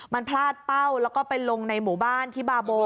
มันพลาดเป้าแล้วก็ไปลงในหมู่บ้านที่บาโบ